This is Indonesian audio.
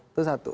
itu satu ya